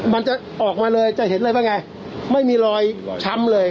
มันจะออกมาเลยจะเห็นเลยว่าไงไม่มีรอยช้ำเลย